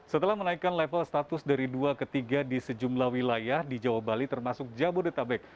setelah menaikkan level status dari dua ke tiga di sejumlah wilayah di jawa bali termasuk jabodetabek